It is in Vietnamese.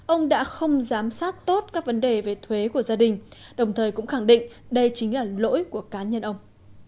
ông đã không giám sát tốt các vấn đề về thuế của gia đình đồng thời cũng khẳng định đây chính là lỗi của cá nhân ông